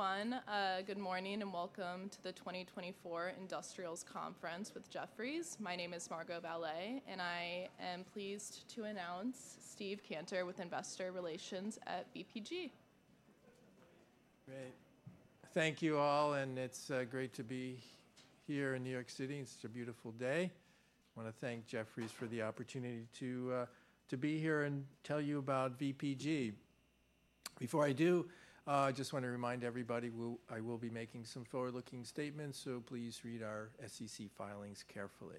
Hi, everyone. Good morning, and welcome to the 2024 Industrials Conference with Jefferies. My name is Margot Bellet, and I am pleased to announce Steve Kantor with Investor Relations at VPG. Great. Thank you all, and it's great to be here in New York City. It's a beautiful day. I wanna thank Jefferies for the opportunity to be here and tell you about VPG. Before I do, I just want to remind everybody. I will be making some forward-looking statements, so please read our SEC filings carefully.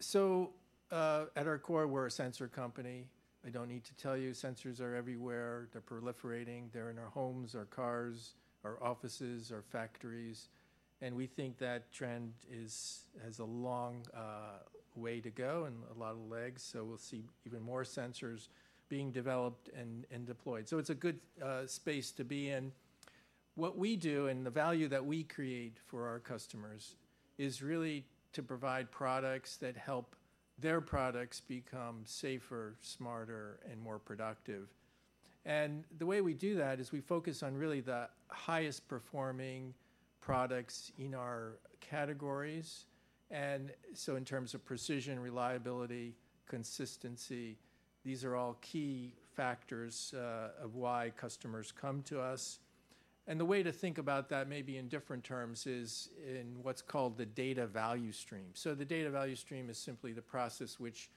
So at our core, we're a sensor company. I don't need to tell you, sensors are everywhere. They're proliferating. They're in our homes, our cars, our offices, our factories, and we think that trend has a long way to go and a lot of legs, so we'll see even more sensors being developed and deployed. It's a good space to be in. What we do and the value that we create for our customers is really to provide products that help their products become safer, smarter, and more productive. And the way we do that is we focus on really the highest-performing products in our categories. And so in terms of precision, reliability, consistency, these are all key factors of why customers come to us. And the way to think about that, maybe in different terms, is in what's called the data value stream. So the data value stream is simply the process which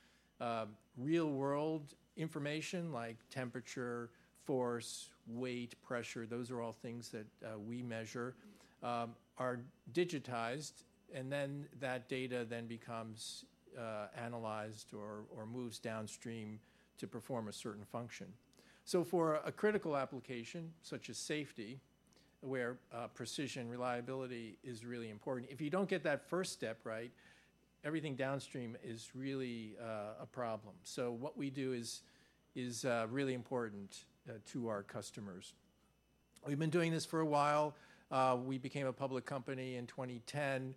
real-world information like temperature, force, weight, pressure, those are all things that we measure, are digitized, and then that data then becomes analyzed or moves downstream to perform a certain function. So for a critical application, such as safety, where precision, reliability is really important, if you don't get that first step right, everything downstream is really a problem. So what we do is really important to our customers. We've been doing this for a while. We became a public company in 2010.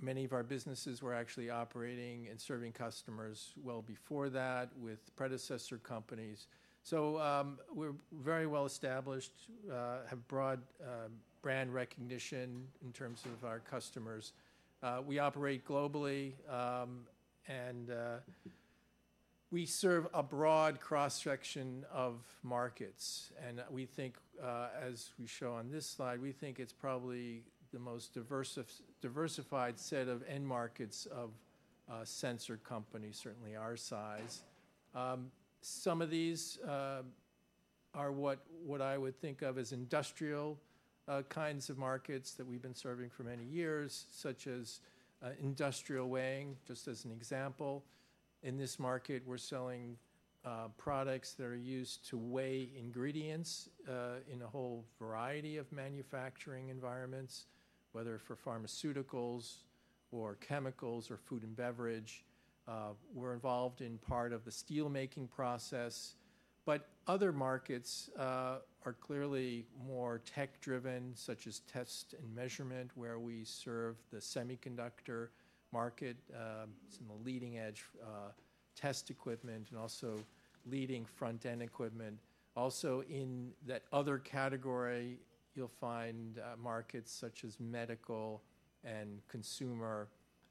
Many of our businesses were actually operating and serving customers well before that with predecessor companies. So, we're very well established, have broad brand recognition in terms of our customers. We operate globally, and we serve a broad cross-section of markets, and we think, as we show on this slide, we think it's probably the most diversified set of end markets of a sensor company, certainly our size. Some of these are what I would think of as industrial kinds of markets that we've been serving for many years, such as industrial weighing, just as an example. In this market, we're selling products that are used to weigh ingredients in a whole variety of manufacturing environments, whether for pharmaceuticals or chemicals or food and beverage. We're involved in part of the steelmaking process, but other markets are clearly more tech-driven, such as test and measurement, where we serve the semiconductor market, some of the leading-edge test equipment and also leading front-end equipment. Also, in that other category, you'll find markets such as medical and consumer,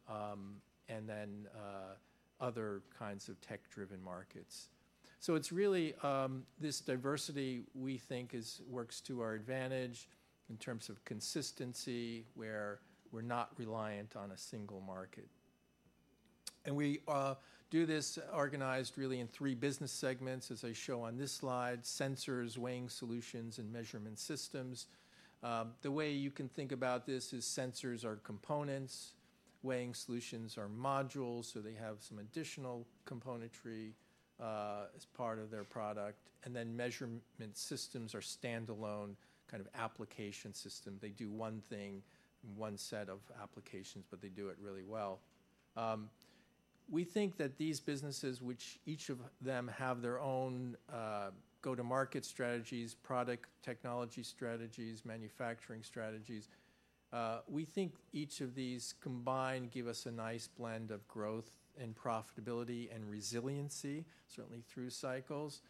and then other kinds of tech-driven markets. So it's really, this diversity we think is, works to our advantage in terms of consistency, where we're not reliant on a single market. And we do this organized really in three business segments, as I show on this slide: Sensors, Weighing Solutions, and Measurement Systems. The way you can think about this is Sensors are components, Weighing Solutions are modules, so they have some additional componentry, as part of their product, and then Measurement Systems are standalone kind of application system. They do one thing in one set of applications, but they do it really well. We think that these businesses, which each of them have their own, go-to-market strategies, product technology strategies, manufacturing strategies, we think each of these combined give us a nice blend of growth and profitability and resiliency, certainly through cycles.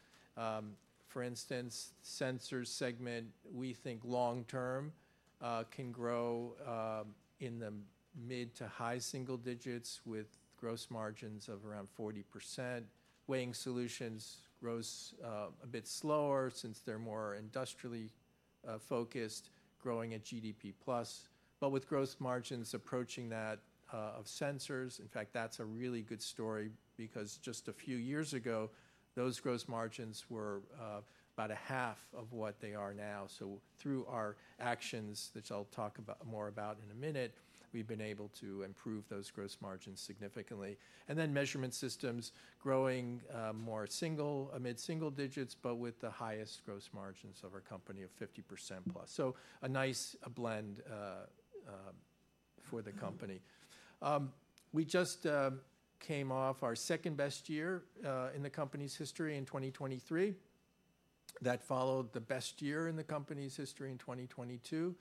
For instance, Sensors segment, we think long term can grow in the mid- to high-single digits with gross margins of around 40%. Weighing Solutions grows a bit slower since they're more industrially focused, growing at GDP plus, but with gross margins approaching that of Sensors. In fact, that's a really good story because just a few years ago, those gross margins were about a half of what they are now. So through our actions, which I'll talk more about in a minute, we've been able to improve those gross margins significantly. And then Measurement Systems growing in the mid-single digits, but with the highest gross margins of our company of 50% plus. So a nice blend for the company. We just came off our second-best year in the company's history in 2023. That followed the best year in the company's history in 2022.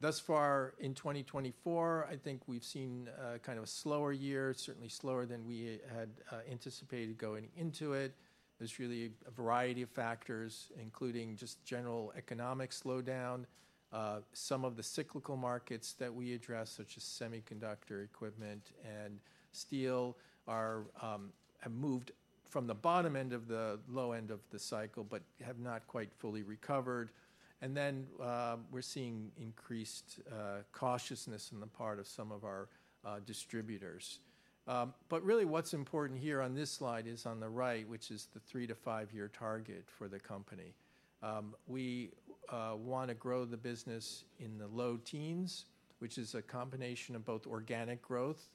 Thus far, in 2024, I think we've seen kind of a slower year, certainly slower than we had anticipated going into it. There's really a variety of factors, including just general economic slowdown. Some of the cyclical markets that we address, such as semiconductor equipment and steel, have moved from the bottom end of the low end of the cycle but have not quite fully recovered. And then, we're seeing increased cautiousness on the part of some of our distributors. But really, what's important here on this slide is on the right, which is the three to five-year target for the company. We want to grow the business in the low teens, which is a combination of both organic growth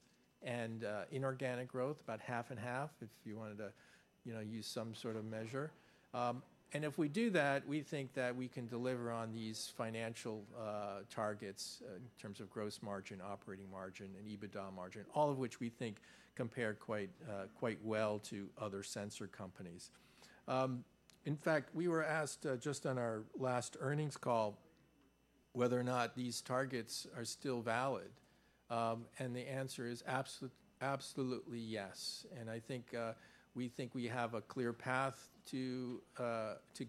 and inorganic growth, about half and half, if you wanted to, you know, use some sort of measure. And if we do that, we think that we can deliver on these financial targets in terms of gross margin, operating margin, and EBITDA margin, all of which we think compare quite well to other sensor companies. In fact, we were asked just on our last earnings call whether or not these targets are still valid. And the answer is absolutely yes. I think we think we have a clear path to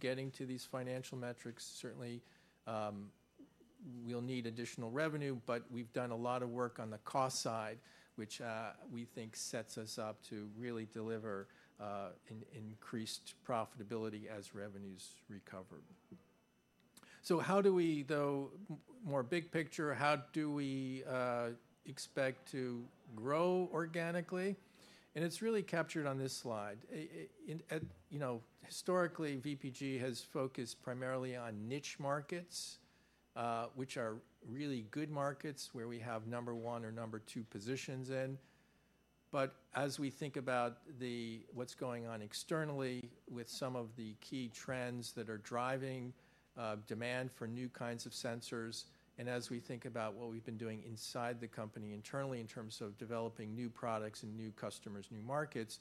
getting to these financial metrics. Certainly, we'll need additional revenue, but we've done a lot of work on the cost side, which we think sets us up to really deliver increased profitability as revenues recover. So how do we, though, more big picture, how do we expect to grow organically? And it's really captured on this slide. And in at... You know, historically, VPG has focused primarily on niche markets, which are really good markets where we have number one or number two positions in. But as we think about the what's going on externally with some of the key trends that are driving demand for new kinds of sensors, and as we think about what we've been doing inside the company internally in terms of developing new products and new customers, new markets,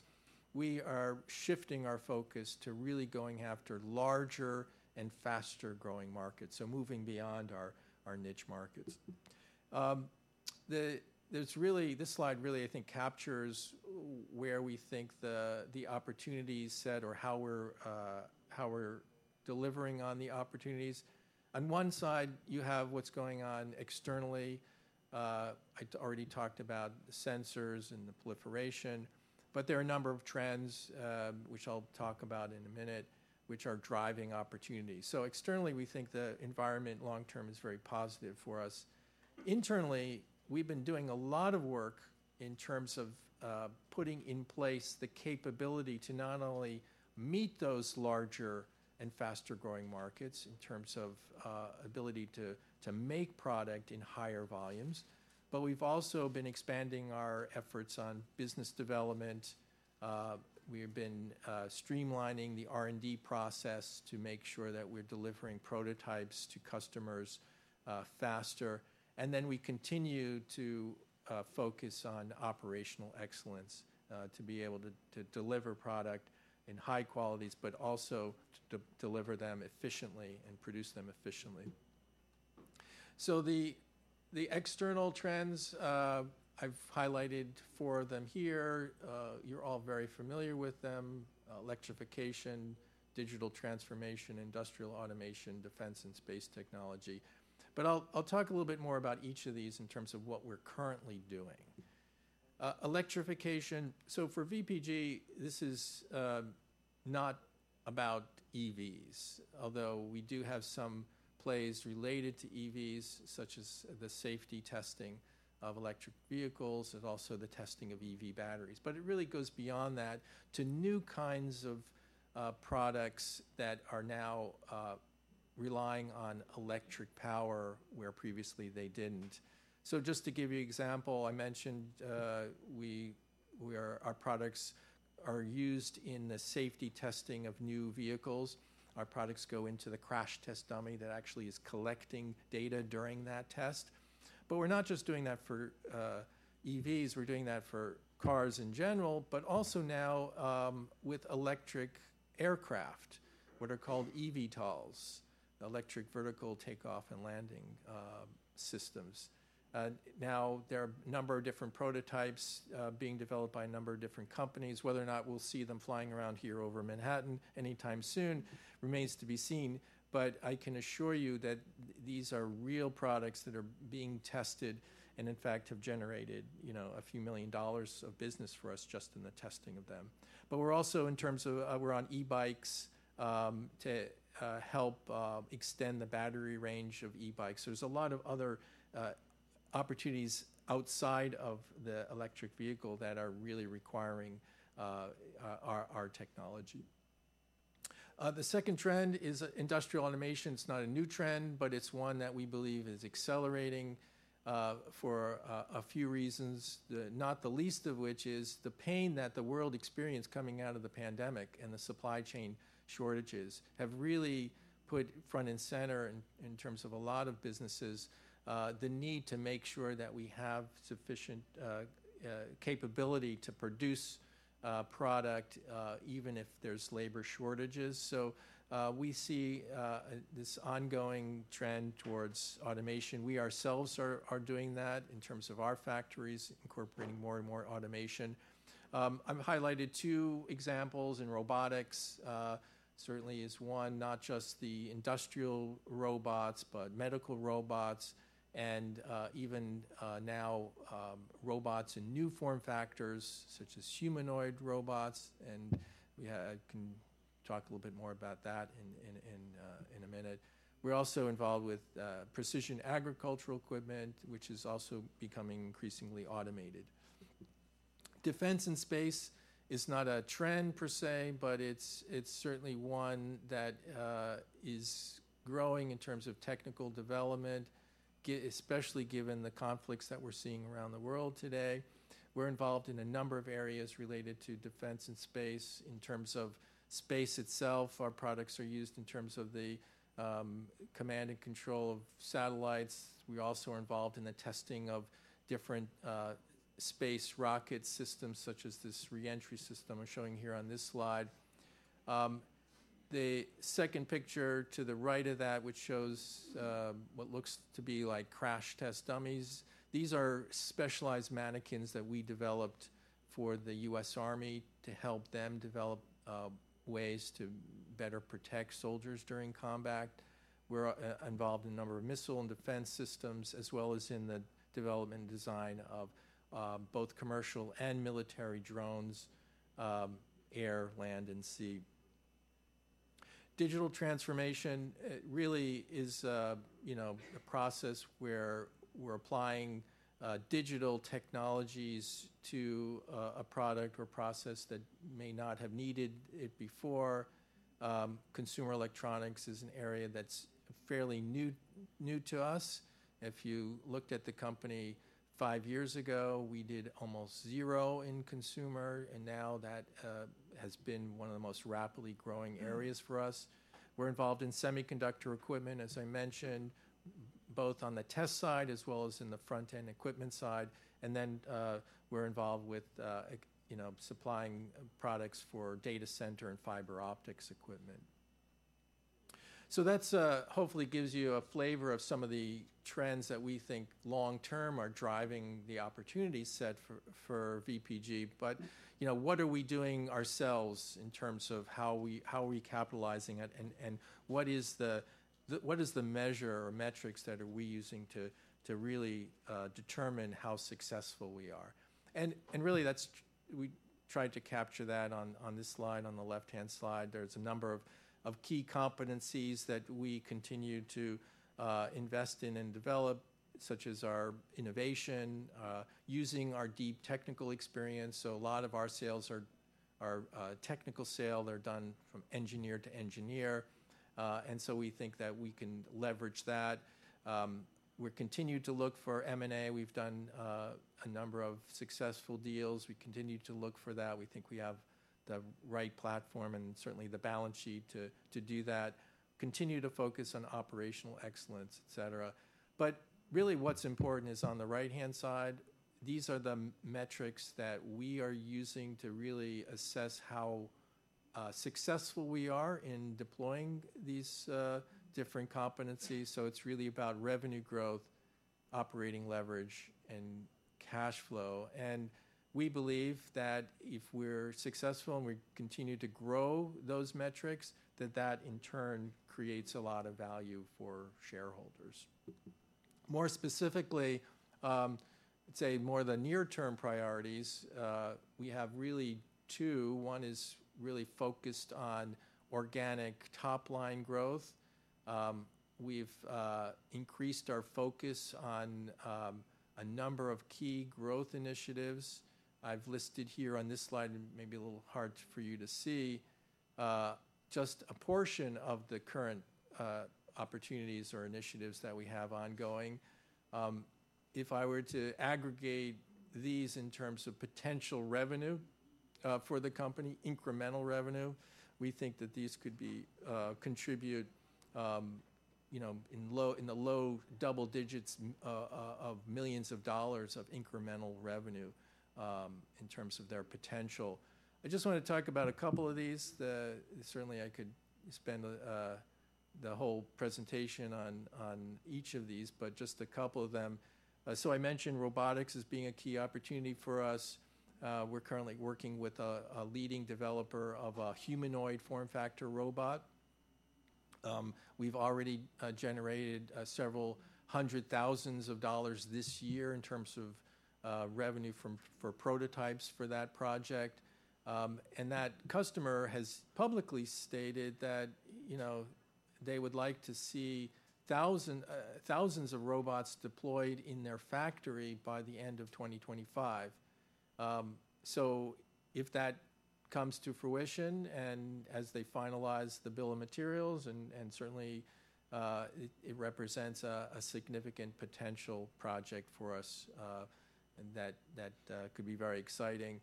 we are shifting our focus to really going after larger and faster-growing markets, so moving beyond our niche markets. There's really... This slide really, I think, captures where we think the opportunity set or how we're delivering on the opportunities. On one side, you have what's going on externally. I already talked about the sensors and the proliferation, but there are a number of trends, which I'll talk about in a minute, which are driving opportunities. So externally, we think the environment long term is very positive for us. Internally, we've been doing a lot of work in terms of putting in place the capability to not only meet those larger and faster-growing markets in terms of ability to make product in higher volumes, but we've also been expanding our efforts on business development, we have been streamlining the R&D process to make sure that we're delivering prototypes to customers faster, and then we continue to focus on operational excellence to be able to deliver product in high qualities, but also to deliver them efficiently and produce them efficiently, so the external trends I've highlighted four of them here. You're all very familiar with them: electrification, digital transformation, industrial automation, defense and space technology, but I'll talk a little bit more about each of these in terms of what we're currently doing. Electrification, so for VPG, this is not about EVs, although we do have some plays related to EVs, such as the safety testing of electric vehicles and also the testing of EV batteries. But it really goes beyond that to new kinds of products that are now relying on electric power, where previously they didn't. So just to give you an example, I mentioned our products are used in the safety testing of new vehicles. Our products go into the crash test dummy that actually is collecting data during that test. But we're not just doing that for EVs, we're doing that for cars in general, but also now with electric aircraft, what are called eVTOLs, Electric Vertical Takeoff and Landing systems. Now, there are a number of different prototypes being developed by a number of different companies. Whether or not we'll see them flying around here over Manhattan anytime soon remains to be seen, but I can assure you that these are real products that are being tested and, in fact, have generated, you know, a few million dollars of business for us just in the testing of them. But we're also, in terms of, we're on e-bikes to help extend the battery range of e-bikes. There's a lot of other opportunities outside of the electric vehicle that are really requiring our technology. The second trend is industrial automation. It's not a new trend, but it's one that we believe is accelerating, for a few reasons, not the least of which is the pain that the world experienced coming out of the pandemic and the supply chain shortages have really put front and center, in terms of a lot of businesses, the need to make sure that we have sufficient capability to produce product, even if there's labor shortages. So, we see this ongoing trend towards automation. We ourselves are doing that in terms of our factories, incorporating more and more automation. I've highlighted two examples in robotics. Certainly is one, not just the industrial robots, but medical robots and even now, robots in new form factors, such as humanoid robots, and we... I can talk a little bit more about that in a minute. We're also involved with precision agricultural equipment, which is also becoming increasingly automated. Defense and space is not a trend per se, but it's certainly one that is growing in terms of technical development, especially given the conflicts that we're seeing around the world today. We're involved in a number of areas related to defense and space. In terms of space itself, our products are used in terms of the command and control of satellites. We also are involved in the testing of different space rocket systems, such as this re-entry system I'm showing here on this slide. The second picture to the right of that, which shows what looks to be like crash test dummies, these are specialized mannequins that we developed for the U.S. Army to help them develop ways to better protect soldiers during combat. We're involved in a number of missile and defense systems, as well as in the development and design of both commercial and military drones, air, land, and sea. Digital transformation, it really is, you know, a process where we're applying digital technologies to a product or process that may not have needed it before. Consumer electronics is an area that's fairly new, new to us. If you looked at the company five years ago, we did almost zero in consumer, and now that has been one of the most rapidly growing areas for us. We're involved in semiconductor equipment, as I mentioned, both on the test side as well as in the front-end equipment side, and then, we're involved with, you know, supplying products for data center and fiber optics equipment. So that's, hopefully gives you a flavor of some of the trends that we think long term are driving the opportunity set for VPG. But, you know, what are we doing ourselves in terms of how are we capitalizing it, and what is the measure or metrics that are we using to really determine how successful we are? And really, that's. We tried to capture that on this slide, the left-hand slide. There's a number of key competencies that we continue to invest in and develop, such as our innovation using our deep technical experience, so a lot of our sales are technical sale. They're done from engineer to engineer, and so we think that we can leverage that. We're continued to look for M&A. We've done a number of successful deals. We continue to look for that. We think we have the right platform and certainly the balance sheet to do that. Continue to focus on operational excellence, et cetera, but really, what's important is on the right-hand side, these are the metrics that we are using to really assess how successful we are in deploying these different competencies. So it's really about revenue growth, operating leverage, and cash flow, and we believe that if we're successful, and we continue to grow those metrics, that, in turn, creates a lot of value for shareholders. More specifically, I'd say more the near-term priorities, we have really two. One is really focused on organic top-line growth. We've increased our focus on a number of key growth initiatives. I've listed here on this slide, and it may be a little hard for you to see just a portion of the current opportunities or initiatives that we have ongoing. If I were to aggregate these in terms of potential revenue for the company, incremental revenue, we think that these could be contribute you know in the low double digits of millions of dollars of incremental revenue in terms of their potential. I just wanna talk about a couple of these. Certainly, I could spend the whole presentation on each of these, but just a couple of them. So I mentioned robotics as being a key opportunity for us. We're currently working with a leading developer of a humanoid form factor robot. We've already generated several hundred thousands of dollars this year in terms of revenue from for prototypes for that project. And that customer has publicly stated that, you know, they would like to see thousands of robots deployed in their factory by the end of 2025. So if that comes to fruition, and as they finalize the bill of materials, and certainly, it represents a significant potential project for us, and that could be very exciting.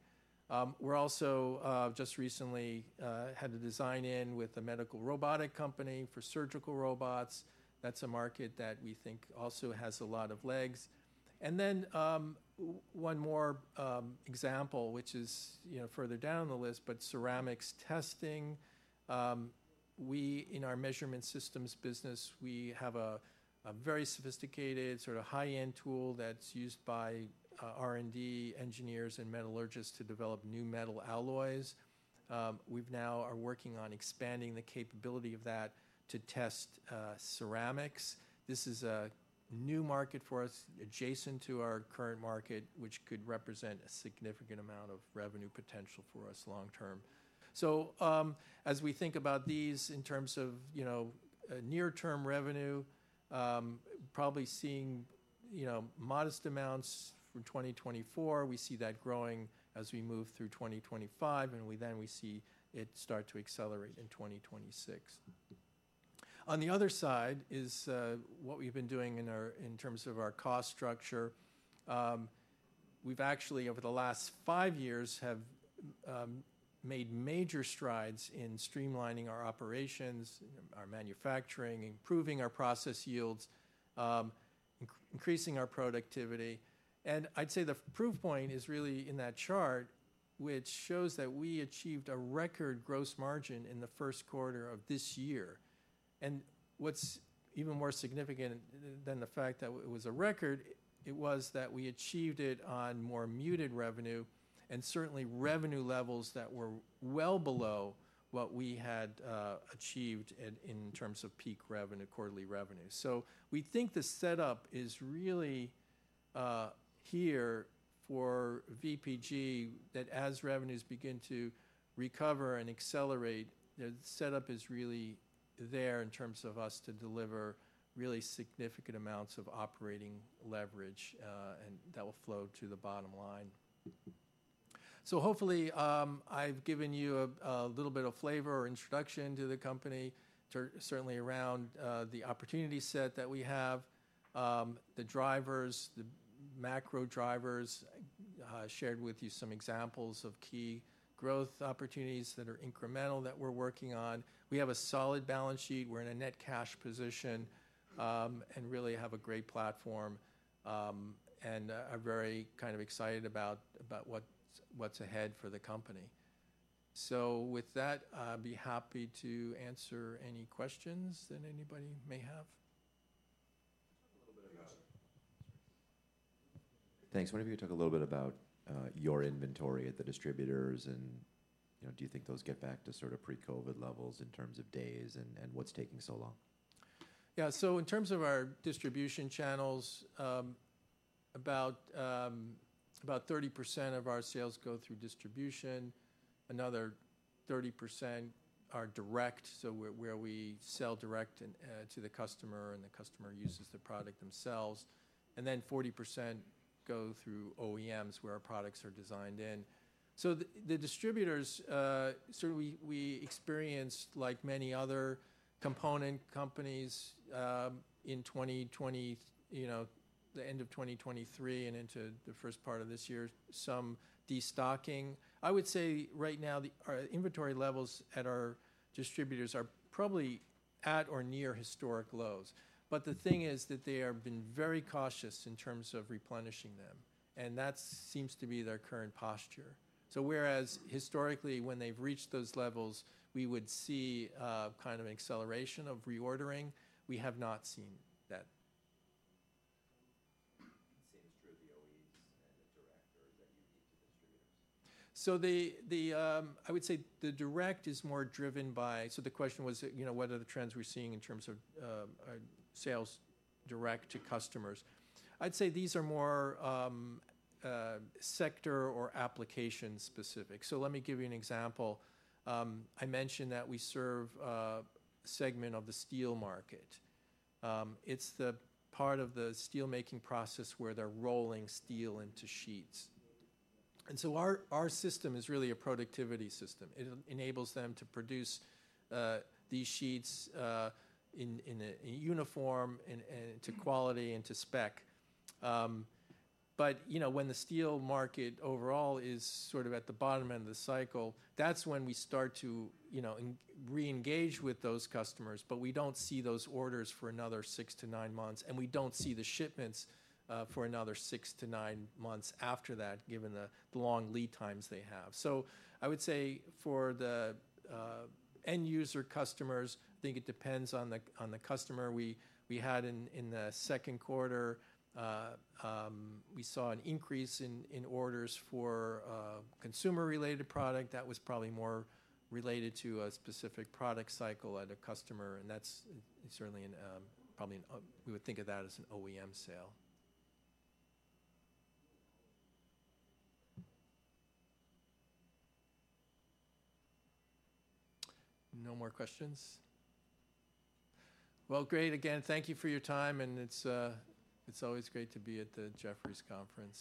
We're also just recently had a design-in with a medical robotic company for surgical robots. That's a market that we think also has a lot of legs. And then one more example, which is, you know, further down the list, but ceramics testing. We, in our Measurement Systems business, we have a very sophisticated, sort of high-end tool that's used by R&D engineers and metallurgists to develop new metal alloys. We've now are working on expanding the capability of that to test ceramics. This is a new market for us, adjacent to our current market, which could represent a significant amount of revenue potential for us long term. So, as we think about these in terms of, you know, near-term revenue, probably seeing, you know, modest amounts through 2024. We see that growing as we move through 2025, and we then see it start to accelerate in 2026. On the other side is what we've been doing in terms of our cost structure. We've actually, over the last five years, have made major strides in streamlining our operations, our manufacturing, improving our process yields, increasing our productivity. I'd say the proof point is really in that chart, which shows that we achieved a record gross margin in the first quarter of this year. What's even more significant than the fact that it was a record, it was that we achieved it on more muted revenue, and certainly revenue levels that were well below what we had achieved in terms of peak revenue, quarterly revenue. We think the setup is really here for VPG, that as revenues begin to recover and accelerate, the setup is really there in terms of us to deliver really significant amounts of operating leverage, and that will flow to the bottom line. Hopefully, I've given you a little bit of flavor or introduction to the company, certainly around the opportunity set that we have, the drivers, the macro drivers. Shared with you some examples of key growth opportunities that are incremental that we're working on. We have a solid balance sheet. We're in a net cash position, and really have a great platform, and are very kind of excited about what's ahead for the company. So with that, I'd be happy to answer any questions that anybody may have. ... Thanks. I wonder if you could talk a little bit about your inventory at the distributors and, you know, do you think those get back to sort of pre-COVID levels in terms of days, and what's taking so long? Yeah. So in terms of our distribution channels, about 30% of our sales go through distribution. Another 30% are direct, so where we sell direct to the customer, and the customer uses the product themselves. And then 40% go through OEMs, where our products are designed in. So the distributors, so we experienced, like many other component companies, you know, the end of 2023 and into the first part of this year, some destocking. I would say right now, our inventory levels at our distributors are probably at or near historic lows. But the thing is that they have been very cautious in terms of replenishing them, and that seems to be their current posture. So whereas historically, when they've reached those levels, we would see a kind of acceleration of reordering, we have not seen that. Same is true of the OEMs and the direct, or that you give to distributors? So the question was, you know, what are the trends we're seeing in terms of sales direct to customers. I'd say these are more sector or application specific, so let me give you an example. I mentioned that we serve a segment of the steel market. It's the part of the steel-making process where they're rolling steel into sheets, and so our system is really a productivity system. It enables them to produce these sheets in a uniform and to quality and to spec. But, you know, when the steel market overall is sort of at the bottom end of the cycle, that's when we start to, you know, re-engage with those customers, but we don't see those orders for another six to nine months, and we don't see the shipments for another six to nine months after that, given the long lead times they have. So I would say for the end user customers, I think it depends on the customer. We had in the second quarter, we saw an increase in orders for consumer-related product. That was probably more related to a specific product cycle at a customer, and that's certainly probably we would think of that as an OEM sale. No more questions? Well, great. Again, thank you for your time, and it's always great to be at the Jefferies conference.